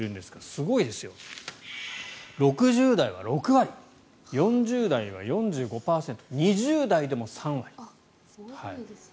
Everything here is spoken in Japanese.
すごいですよ、６０代は６割４０代は４５％２０代でも３割。